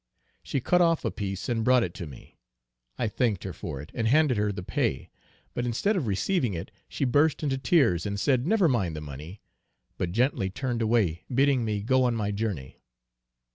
She cut off a piece and brought it to me; I thanked her for it, and handed her the pay, but instead of receiving it, she burst into tears, and said "never mind the money," but gently turned away bidding me go on my journey.